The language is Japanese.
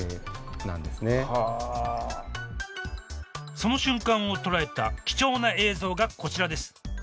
その瞬間を捉えた貴重な映像がこちらです。